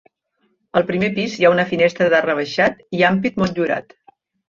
Al primer pis hi ha una finestra d'arc rebaixat i ampit motllurat.